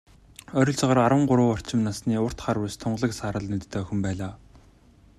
Ойролцоогоор арван гурав орчим насны, урт хар үс, тунгалаг саарал нүдтэй охин байлаа.